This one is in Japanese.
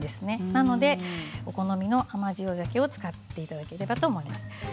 なので、お好みの甘塩ざけを使っていただければと思います。